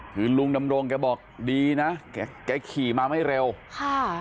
คือลุงดำรงแกบอกดีนะแกขี่มาไม่เร็วค่ะ